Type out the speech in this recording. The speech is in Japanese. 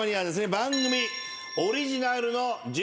番組オリジナルの純金